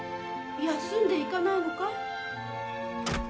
休んでいかないのかい？